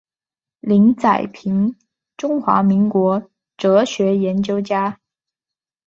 林宰平中华民国哲学研究家。